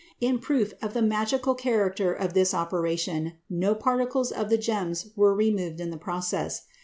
In proof of the magical character of this operation, no particles of the gems were removed in the process.